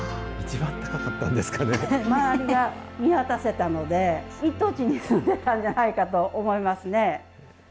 周りが見渡せたので、一等地に住んでたんじゃないかなと思いますね。